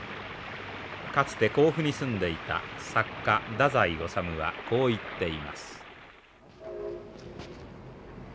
かつて甲府に住んでいた作家太宰治はこう言っています。